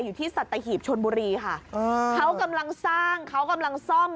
อยู่ที่สัตหีบชนบุรีค่ะเขากำลังสร้างเขากำลังซ่อม